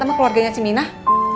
sama keluarganya si minah